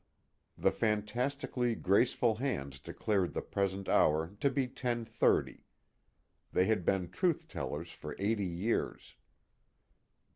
_ The fantastically graceful hands declared the present hour to be ten thirty; they had been truth tellers for eighty years.